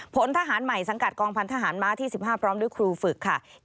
ผลทหารใหม่สังกัดกองพันธหารม้าที่๑๕พร้อมด้วยครูฝึกค่ะ